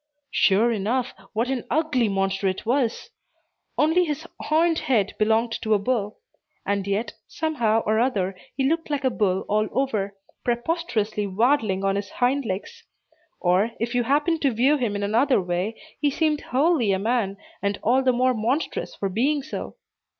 Sure enough, what an ugly monster it was! Only his horned head belonged to a bull; and yet, somehow or other, he looked like a bull all over, preposterously waddling on his hind legs; or, if you happened to view him in another way, he seemed wholly a man, and all the more monstrous for being so.